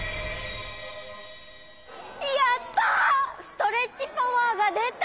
やった！